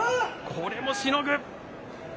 これもしのぐ。